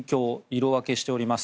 色分けしております。